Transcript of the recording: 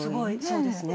そうですね。